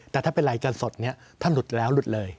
แต่ถ้าเป็นรายการสดเนี่ยถ้าหลุดแล้วหลุดเลย